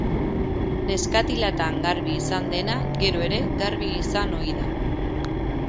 Neskatilatan garbi izan dena, gero ere garbi izan ohi da.